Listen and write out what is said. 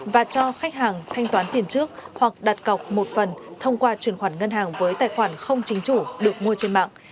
và cho khách hàng thanh toán tiền trước hoặc đặt cọc một phần thông qua chuyển khoản ngân hàng với tài khoản không chính chủ được mua trên mạng